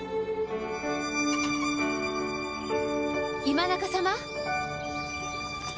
今中様！